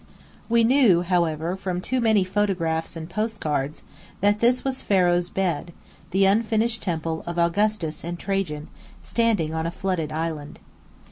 We knew, however, from too many photographs and postcards, that this was "Pharaoh's Bed," the unfinished temple of Augustus and Trajan, standing on a flooded island.